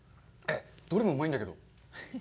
どれもうまいんだけど。